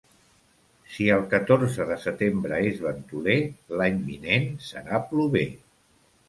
Si el catorze de setembre és ventoler, l'any vinent serà plover.